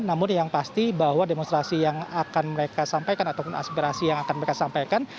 namun yang pasti bahwa demonstrasi yang akan mereka sampaikan ataupun aspirasi yang akan mereka sampaikan